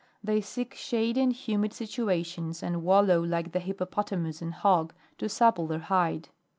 They seek shady and humid situations, and wallow, like the Hippopotamus and Hog, to supple their hide.